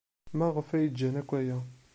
Maɣef ay gan akk aya?